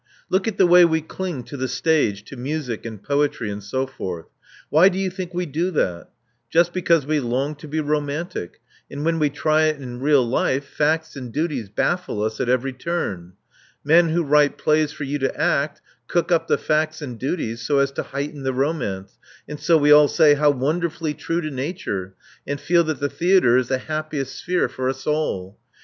Look at the way we cling to the stage, to music, and poetry, and so forth. Why do you think we do that? Just because we long to be romantic, and when we try it in real life, facts and duties baffle us at every turn. Men who write plays for you to act, cook up the facts and duties so as to heighten the romance; and so we all say *How wonderfully true to nature !' and feel that the theatre is the happiest sphere for us all.